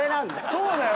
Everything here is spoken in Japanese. そうだよ！